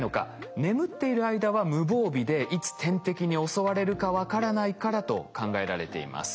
眠っている間は無防備でいつ天敵に襲われるか分からないからと考えられています。